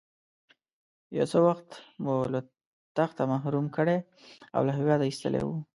یو څه وخت مو له تخته محروم کړی او له هېواده ایستلی وو.